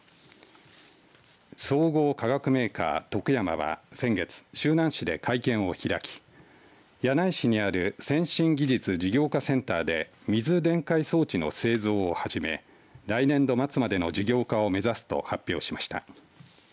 総合化学メーカー、トクヤマは先月、周南市で会見を開き柳井市にある先進技術事業化センターで水電解装置の製造を始め来年度末までの事業化を目指すと発表しました。